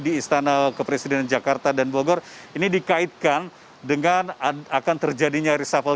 di istana kepresidenan jakarta dan bogor ini dikaitkan dengan akan terjadinya reshuffle